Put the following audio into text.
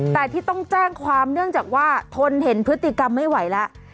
แต่ที่ต้องแจ้งความเนื่องจากว่าทนเห็นพฤติกรรมไม่ไหวแล้ว